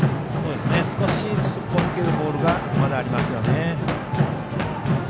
少しすっぽ抜けるボールがまだありますね。